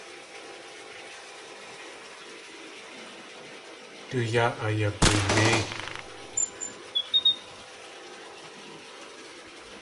Du yáa ayagoonéi!